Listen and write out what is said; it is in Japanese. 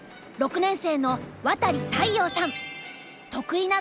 ６年生の渡利大遥さん。